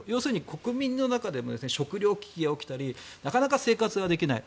国民の中で食料危機が起きたりなかなか生活ができない。